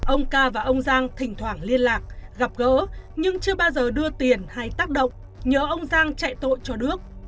ông ca và ông giang thỉnh thoảng liên lạc gặp gỡ nhưng chưa bao giờ đưa tiền hay tác động nhớ ông giang chạy tội cho đước